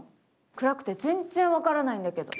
暗くて全然分からないんだけど。